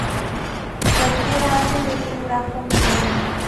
Cualquier árbol es un grafo mediano.